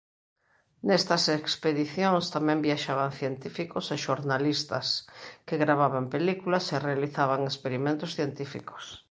Nestas expedicións tamén viaxaban científicos e xornalistas que gravaban películas e realizaban experimentos científicos.